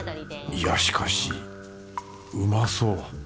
いやしかしうまそう。